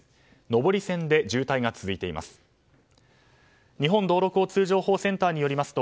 上り線で渋滞が続いています。